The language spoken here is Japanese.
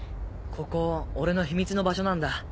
ここ俺の秘密の場所なんだ。